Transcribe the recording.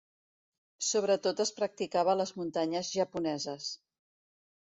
Sobretot es practicava a les muntanyes japoneses.